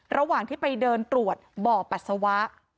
ระหว่างที่ไปเดินตรวจบ่อปัสสาวะ